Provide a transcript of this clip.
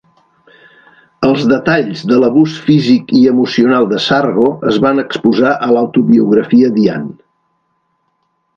Els detalls de l'abús físic i emocional de Sargo es van exposar a l'autobiografia d'Ian.